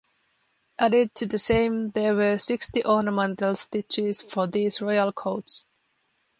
Added to the same there were sixty ornamental stitches for these royal coats.